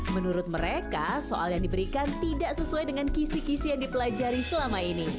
menurut mereka soal yang diberikan tidak sesuai dengan kisi kisi yang dipelajari selama ini